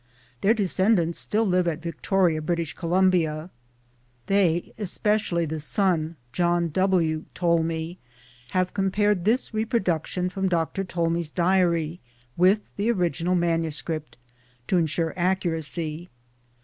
Their descendants still live at Victoria, British Columbia. They, especially the son John W. Tolmie, have compared this reproduction from Doctor Tolmie's diary with the original manuscript to insure accuracy.